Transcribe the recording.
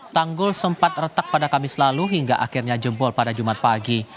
tanggul sempat retak pada kamis lalu hingga akhirnya jebol pada jumat pagi